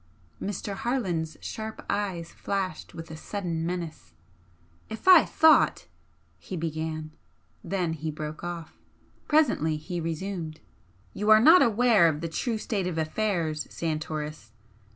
Mr. Harland's sharp eyes flashed with a sudden menace. "If I thought " he began then he broke off. Presently he resumed "You are not aware of the true state of affairs, Santoris.